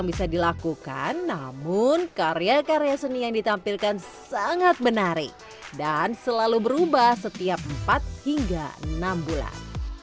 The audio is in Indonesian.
bisa dilakukan namun karya karya seni yang ditampilkan sangat menarik dan selalu berubah setiap empat hingga enam bulan